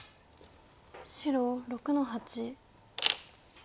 白６の八。